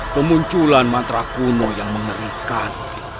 kemunculan mantra kuno yang mengerikan